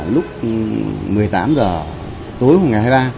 lúc một mươi tám h tối ngày hai mươi ba